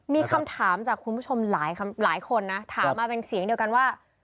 มีคำถามจากคุณผู้ชมหลายคนนะถามมาเป็นเสียงเดียวกันว่า